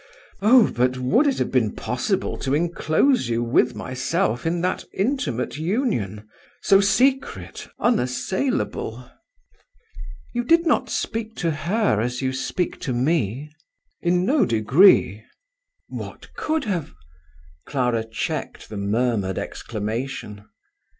Oh, but would it have been possible to enclose you with myself in that intimate union? so secret, unassailable!" "You did not speak to her as you speak to me?" "In no degree." "What could have! ..." Clara checked the murmured exclamation.